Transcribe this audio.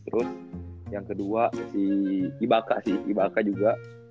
terus yang kedua si ibaka sih ibaka juga